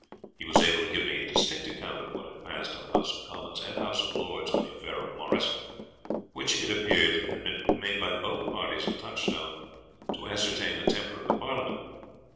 He was able to give me a distinct account of what had passed in the House of Commons and House of Lords on the affair of Morris, which, it appears, had been made by both parties a touchstone to ascertain the temper of the Parliament.